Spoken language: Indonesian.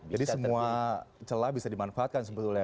jadi semua celah bisa dimanfaatkan sebetulnya